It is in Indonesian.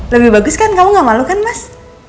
lebih bagus kan kamu gak malu kan mas